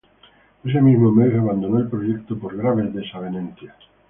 Ese mismo mes abandonó el proyecto por graves desavenencias.